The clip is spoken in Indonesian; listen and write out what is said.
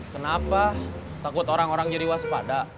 kenapa takut orang orang jadi waspada